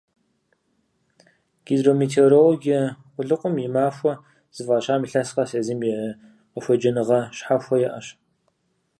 «Гидрометеорологие къулыкъум и махуэ» зыфӀащам илъэс къэс езым и къыхуеджэныгъэ щхьэхуэ иӀэщ.